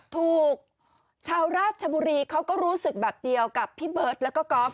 ถูกชาวราชบุรีเขาก็รู้สึกแบบเดียวกับพี่เบิร์ตแล้วก็ก๊อฟ